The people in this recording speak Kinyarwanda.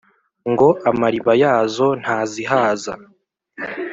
ngo amariba yazo ntazihaza